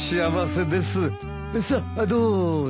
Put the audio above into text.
さあどうぞ。